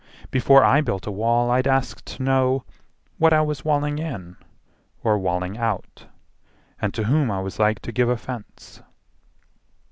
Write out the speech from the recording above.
Before I built a wall I'd ask to know What I was walling in or walling out, And to whom I was like to give offence.